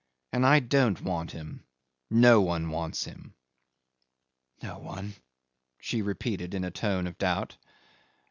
"And I don't want him. No one wants him." "No one," she repeated in a tone of doubt.